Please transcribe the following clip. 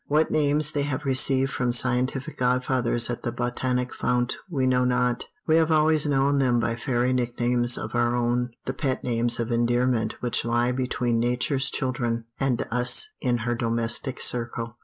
What names they have received from scientific god fathers at the botanic fount we know not; we have always known them by fairy nicknames of our own the pet names of endearment which lie between Nature's children and us in her domestic circle.